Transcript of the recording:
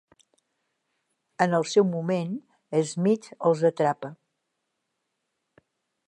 En el seu moment, Smith els atrapa.